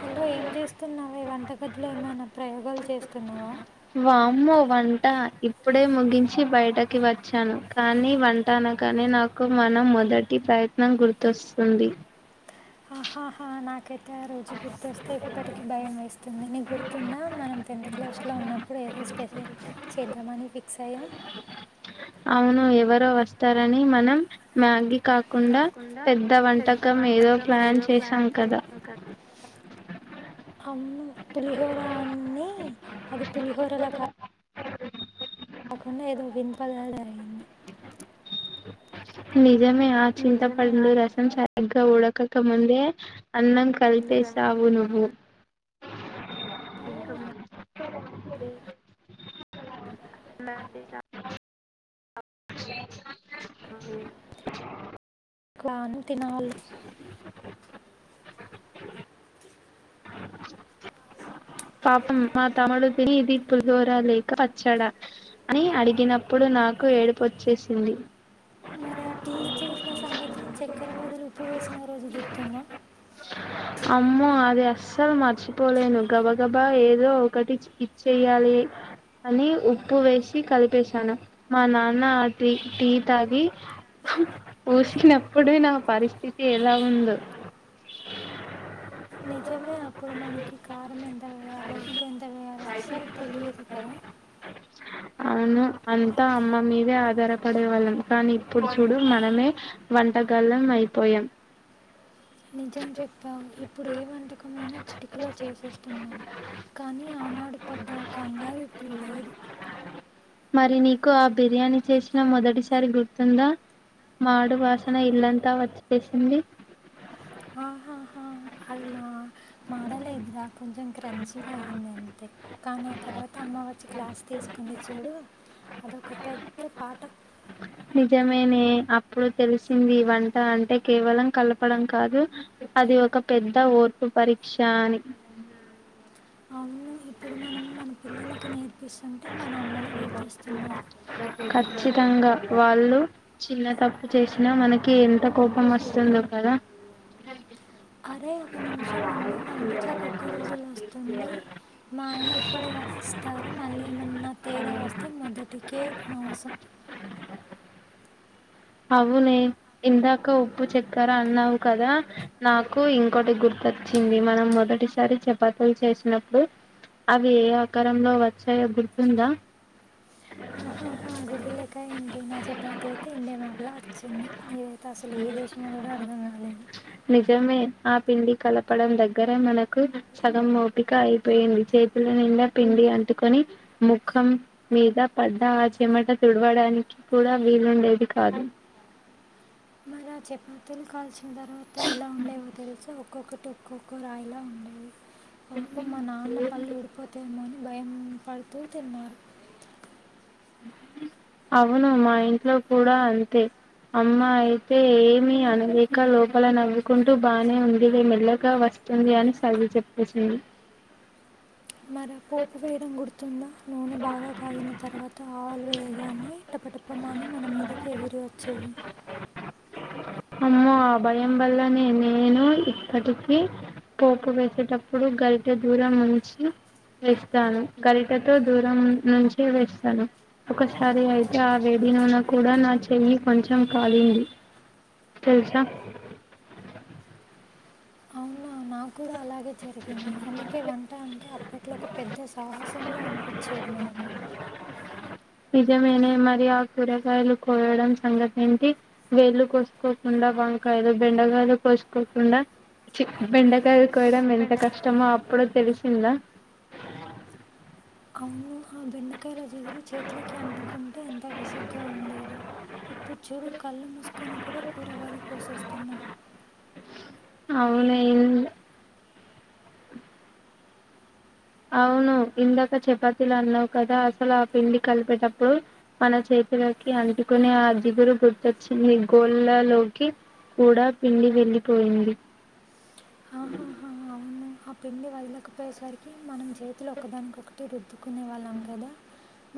Hello ఏం చేస్తున్నావే వంటగదిలో ఏమైన ప్రయోగాలు చేస్తున్నావా వామ్మో వంట ఇప్పుడే ముగించి బయటకి వచ్చాను కానీ వంట కానీ నాకు మన మొదటి ప్రయత్నం గుర్తొస్తుంది హాహా నాకైతే ఆ రోజు గుర్తొస్తే ఎప్పటికీ భయం వేస్తుంది నీకు గుర్తుంద మనం తెన్త్ క్లాస్లో ఉన్నప్పుడు ఏదో స్పెషల్ చేద్దామని ఫిక్స్ అయ్యాం అవును ఎవరో వస్తారని మనం మ్యాగి క కుండ కాకుండా పెద్ద పెద్ద వంటకం ఏదో వంటకం ప్లాన్ ఏదో చేశాం ప్లాన్ కద చేసాం కదా అవును పులిహోర అన్ని అది పులిహోరల కాకుండా ఏదో వింత లాగ అయ్యింది నిజమే ఆ చింత పండు రసం సరిగ్గ ఉడకక ముందే అన్నం ఆశ్చర్యం కలిపేసావు నువ్వు ఇంకా ముంద్... వే [inaudible] [unintelligible] క్లాను తినాలి పాపం మా తముడు తిని ఇది పులుహోర లేక పచ్చడ అని అడిగినప్పుడు నాకు ఏడుపొచ్చేసింది మరి ఆ టీ చేసిన సంగతి చెక్కెర బదులు ఉప్పు వేసిన రోజు గుర్తుంద [unintelligible] అమ్మో అది అస్సలు మర్చిపోలేను గబగబా ఏదో ఒకటి ఇచ్ ఇచ్చేయాలి అని ఉప్పు వేసి కలిపేశాను మా నాన్న ఆ టీ టీ తాగి వూసినప్పుడు నా పరిస్థితి ఎలా ఉందో [inaudible] నిజమే అప్పుడు మనకి కారం ఎంత వేయలో ఉప్పు ఎంత వేయలో అసలు తెలియదు కద [unintelligible] అవును అంత అమ్మ మీదే ఆధారపడే వాళ్ళం కానీ ఇప్పుడు చూడు మనమే వన్ గలం అయిపోయాం నిజం చెప్పావు ఇప్పుడు ఏ వంటకమైనా చిటికలో చేసేస్తున్నాం కానీ ఆనాడు పడ్డ కంగారు ఇప్పుడు లేదు మరి నీకు ఆ బిర్యానీ చేసిన మొదటిసారి గుర్తుంద మాడు వాసన ఇల్లంతా వచ్చేసింది ఆ ఆ మా మాడలేదురా కొంచెం క్రంచిగా అయింది అంతే కానీ ఆ తర్వాత అమ్మ వచ్చి క్లాస్ తీసుకుంది చూడు అదొక పెద్ద పాటం నిజ [unintelligible] నేనే అప్పుడు తెలిసింది వంట అంటే కేవలం కలపడం కాదు ఒక పెద్ద ఓర్పు పరీక్ష అని అవును ఇప్పుడు మనం మన పిల్లలకి నేర్పిస్తుంటే మన అమ్మలే గుర్తొస్తున్నారు ఖచ్చితంగా వాళ్ళు చిన్న తప్పు చేసినా మనకి ఎంత కోపం వస్తుందో కద అరే ఒక నిమిషం ఉండు వంటిట్లో కుక్కర్ విజులు వస్తుంది మా ఆయన ఇప్పుడే వస్తారు మళ్ళీ ఏమన్న తేడా వస్తే మొదటికే మోసం అవునే ఇందాక ఉప్పు చెక్కర అన్నావు కదా నాకు ఇంకోటి గుర్ వచ్చింది మనం మొదటిసారి చపాతీల్ చేసినప్పుడు అవి ఏ ఆకారంలో వచ్చాయో గుర్తుందా ఆహా హ గుర్తులేక ఏంటి నా చెపాతి ఐతే ఇండియా మ్యాప్ ల వచ్చింది ఇవైతే అసలు ఏ దేశంమో కూడా అర్థం కాలేదు [unintelligible] ఆ పిండి కలపడం దగ్గర మనకు సగం ఒపిక అయిపోయింది చేతుల పిండి అంటుకొని ముఖం మీద పడ్డ ఆ చమట తుడవడానికి కూడా వీలుండేది కాదు అలా చపాతీలు కాల్చిన తర్వాత ఎలా ఉండేవో తెలిసా ఓక్ ఒక్కొక్కటి ఒక్కొక్క రాయిలా ఉండేవి పాపం మా నాన్న పళ్లు ఉడిపోతే ఏమోనని భయం పడుతూ తిన్నారు అవును మా ఇంట్లో కూడా అంతే అమ్మా అయితే ఏమి అనలేక లోపల నవ్వుకుంటూ బానే ఉంది నేన్ మెల్లగా వస్ వస్తుంది అని చదివి చెప్పేసింది. మర పోప్ వేడంగుర్ తుందా నూనె బాగా కాగిన తర్వాత ఆల్ వేయగానే టపటప మని మన మీదకి ఎగిరి వచ్చేది అమ్మో ఆ భయం వల్లనే నేను ఇప్పటికి పోపు వేసేటప్పుడు గరిట దూరం ఉంచి వేస్తాను గరిటతో దూరం నుంచే వేస్తాను ఒకసారి అయితే ఆ వేడి నూనె కూడా నా చెయ్యి కొంచెం కాలింది తెలుసా నా కూడా అలాగే జరిగింది అందుకే వంట అంటే అప్పటి ట్లా ఒక పెద్ద సాహసంలా అనిపించేది మనకి నిజమేనే మరి ఆ కూరగాయలు కోయడం సంగతి ఏంటి వేళ్లు కోసుకోకుండా వంకాయలు బెండకాయలు కొసుకోకుండా చి బెండకాయలు కోయడం ఎంత బెండ కష్టమో అప్పుడు తెలిసిందా అవును ఆ బెండకాయలా జిగురు చేతులకి అంటుకుంటే ఎంత విసుగ్గా ఉండేదో ఇప్పుడు చూడు కళ్ళు మూసుకొని కూడా కూరగాయలు కొసేస్తున్నాం అవును ఇల్ అవును ఇందాక చపాతీలు అన్నావు కదా అసలు ఆ పిండి కలిపేటప్పుడు మన చేత్ ఒకరోకి అంటుకుని అ జిగురు గుర్తొచ్చి గోల్లా లోకి కూడా పిండి వెళ్ళిపోయింది అహాహా అవును ఆ పిండి వదలకపోయేసరికి మనం చేతులో ఒకదానికి ఒకటి రుద్దుకునే వాళ్ళం కదా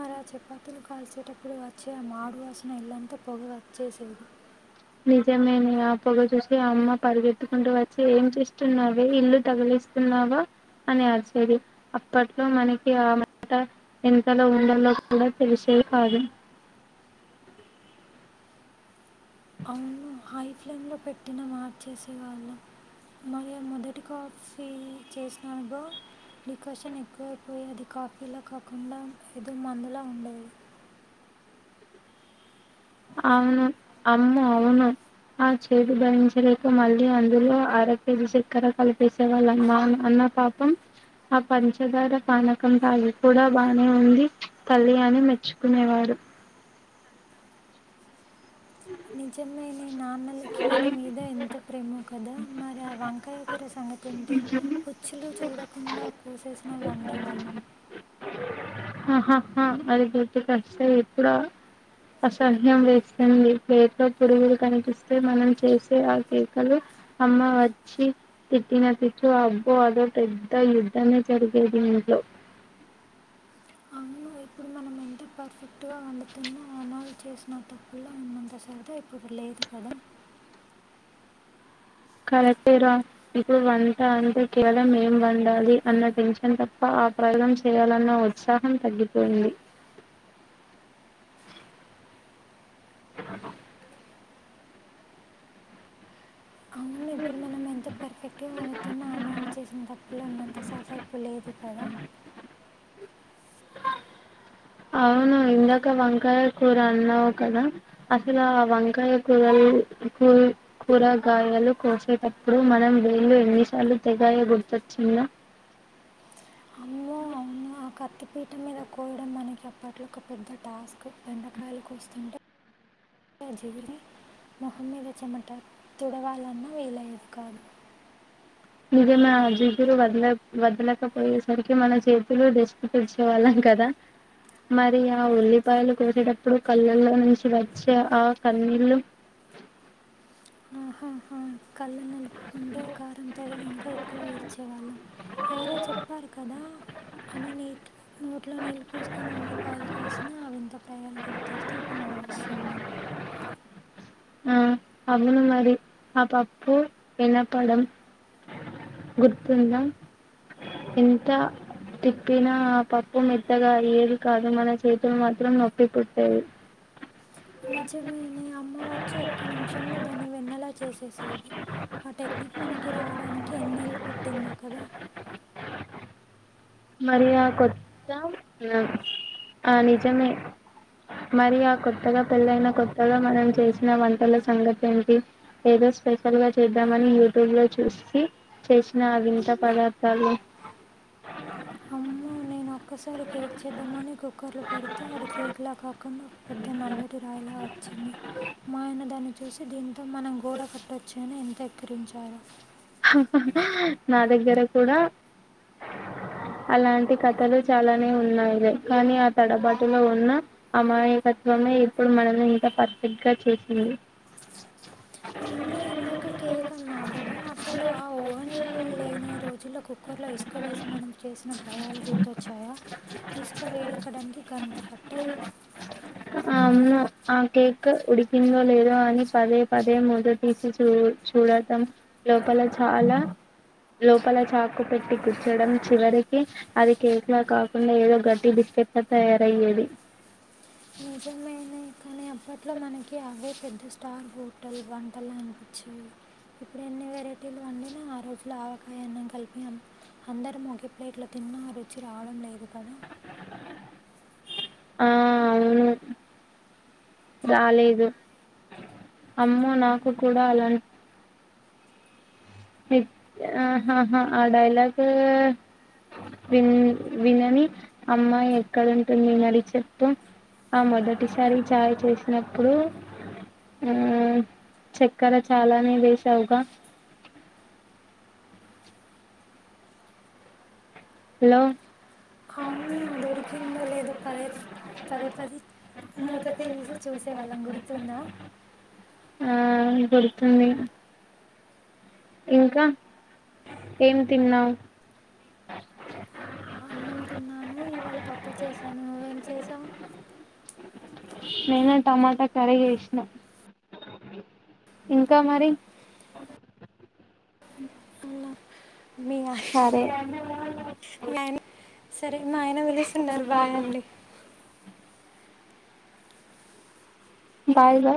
మరి ఆ చపాతీలు కాల్చేటప్పుడు వచ్చే ఆ మాడువాసన ఇల్లంతా పొగ వచ్చేసేది నిజమేనే ఆ పొగ చూసి అమ్మ పరిగెత్తుకుంటూ వచ్చి ఏం చేస్తున్నావే, ఇల్లు తగిలేస్తున్నావ్ అగొ అని అరిచేది అప్పట్లో మనకి ఆ మాట ఎంతలో ఉండల్లో వల్ తెలిసేది కాదు [inaudible] అవును హై ఫ్లేమ్ లో పెట్టిన మార్చేసే వాళ్ళు మరియు మొదటి కాఫీ చేసినడో డికర్షన్ ఎక్కువైపోయి అది కాఫీ లా కాకుండా ఏదో మందులా ఉండేది. అవును అమ్మో అవును ఆ చేదు భరించలేక మళ్ళీ అందులో అర కేజీ చక్కెర కలిపేసే వాళ్ళు అన్ మన్ పాపం ఆ పంచదార పానకం తాగేకి కూడా బానే ఉంది తల్లి అని మెచ్చుకునేవాడు నిజమేనే నాన్నలకి మన మీద ఎంత ప్రేమో క కదా మరి ఆ వంకాయ కూర సంగతి ఏంటి పుచ్చులు చూడకుండా కోసేసిన వండే వాళ్లం ఆహాహా అది గుర్తుకు వస్తే ఇప్పుడు అసహ్యం వేస్తుంది ప్లేట్ లో పురుగులు కనిపిస్తే మనం చేసే ఆ కేకలు అమ్మ వచ్చి తిట్టిన తిట్లు అబ్బో అది ఒక పెద్ద యుద్ధమే జరిగేది. ఇంట్లో [inaudible] పెర్ఫెక్ట్ గా వండుతున్నా అమ్మ ఆళ్ళు చేసిన అంత అప్పుల్ల ఉన్నంత సరదా ఇప్పుడు లేదు కదా [inaudible] [unintelligible] కరెక్టేరా ఇప్పుడు వంట అంత చెయ్యడం ఏం వండాలి అన్న టెన్షన్ తప్ప ఆ ప్రయోగం చేయాలన్న ఉత్సాహం తగ్గిపోయింది [inaudible] అ అవును ఇప్పుడు మనం ఎంత పెర్ఫెక్ట్ గా చిన్న న్నాన చేసిన అప్పుల్లో ఉన్నంత సరద ఇప్పుడు లేదు కదా అవును ఇందాక వంకాయ కూర అన్నావు కదా అసలు ఆ వంకాయ కూరల్లో కూ కూరగాయలు కోసేటప్పుడు మనం వేలు ఎన్ని సార్లు తెగాయె గుర్తు వచ్చింద అమ్మో అవునా కత్తిపీట మీద కోయడం మనకి అప్పట్లో ఒక పెద్ద టాస్క్ బెండకాయలు కోస్తుంటే ఆ జిగురు మొహం మీద చెమట తుడవాలన్నా వీలు అయ్యెది కాదు నిజమే ఆ జీగురు వదల వదలకపోయేసరికి మన చేతులు దష్టి తెచ్చే వాళ్ళం కదా మరి ఆ ఉల్లిపాయలు కోసేటప్పుడు కళ్ళల్లో నుంచి వచ్చే ఆ కన్నీళ్లు ఆహాహా కళ్ళు నలుపుకుంటే కారం తగిలి ఇంకా ఎక్కువ ఎడ్చేవాళ్ళం ఎవరో చెప్పారు కదా అని నీట్ నోట్లో నీళ్ళు పోసుకొని ఉల్లిపాయలు కోసిన అవింత ప్రయాలు గుర్తస్తే నవ్వు వస్తుంది. ఆ అవును మరి ఆ పప్పు వినపడం గుర్తుంద ఎంత తిప్పినా పప్పు మెత్తగా అయ్యేది కాదు మన చేతులు మాత్రం నొప్పి పుట్టేవి [inaudible] నిజమేనే అమ్మ వచ్చి ఒక్క నిమిషంలో దాన్ని వెన్నలా చేసేసేది ఆ టెక్నిక్ మనకి రావడానికి ఎన్నేళ్ళు పట్టిందో కదా మరి ఆ కొత్త ఆ ఆ నిజమే మరి ఆ కొత్తగా పెళ్ళైన కొత్తగా మనం చేసిన వంటల సంగతి ఏంటి ఏది స్పెషల్ గా చేద్దామని యూట్యూబ్ లో చూసి చేసిన ఆ వింత పదార్థాలు [inaudible] ఒకసారి కేక్ చేద్దామని కుక్కర్ లో పెడితే అది కేక్ లా కాకుండా ఒక పెద్ద నల్లటి రాయిలా వచ్చింది మా ఆయన దాన్ని చూసి దీంతో మనం గోడ కట్టొచ్చు అని ఎంత తిరించాలు నా దగ్గర కూడా అలాంటి కథలు చాలానే ఉన్నాయిలే కానీ ఆ తడబాటులో ఉన్న అమాయ రమ్య ఎప్పుడు మనం ఇంత పర్ఫెక్ట్ గా చేసింది అ అలగ నన ఎ తననన ని ఈ రోజుల్లో కుక్కర్లో ఇసుకవేసి మనం చేసిన ప్రయాలు గుర్తొచ్చాయా ఇసుక వేడెక్కడానికి గంట పట్టే అవును ఆ కేక్ ఉడికిందో లేదో అని పదే పదే మూత తీసి చూ చూడటం లోకంలో చాలా లోపల చాకు పెట్టి గుచ్చడం చివరికి అది కేకులా కాకుండా ఏదో గట్టి బి తిప్ప తయారయ్యేది నిజమేనే కానీ అప్పట్లో మనకి అవే పెద్ద స్టార్ హోటల్ వంటలే నచ్చేవి ఇప్పుడు ఎన్ని వెరైటీలు అండి న ఆ రోజులు ఆవకాయ అన్నం కలిపయాము అందరం ఒక ప్లేట్లో తిన్న రుచి రావడం లేదు కదా ఆ అవును రాలేదు అమ్మ నాకు కూడా అలాని ఆహాహా ఆ డైలాగ విన్ వినని అమ్మాయి ఎక్కడుంటుంది అరి చెప్తూ ఆ మొదటిసారి చాయ్ చేసినప్పుడు ఆ చక్కెర చాలానే వేశావుగా హలో దొడికిందో లేదో పదే పదే పద మూత తీసి చూసేవాళ్ళం గుర్తుందా ఆ గుర్తుంది ఇంకా ఏం తిన్నావు దని మవ్వేం చేసాం నేను టమాటా కరీగేసినా ఇంకా మరి అ సరే ఆయ సరే మా ఆయన పిలుస్తున్నారు బాయ్ అండి బయ్ బయ్